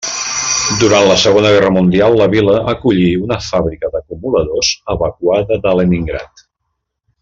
Durant la Segona Guerra Mundial la vila acollí una fàbrica d'acumuladors evacuada de Leningrad.